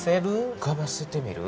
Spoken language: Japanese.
うかばせてみる？